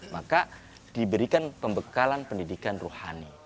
maka diberikan pembekalan pendidikan rohani